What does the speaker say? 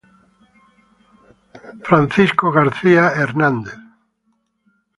Francisco García Hernández